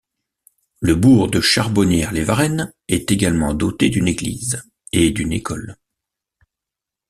Le bourg de Charbonnières-les-Varennes est également doté d'une église et d'une école.